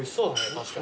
確かに。